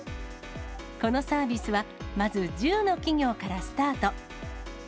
このサービスは、まず、１０の企業からスタート。